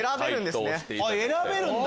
選べるんだ。